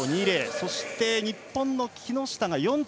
そして、日本の木下が４着。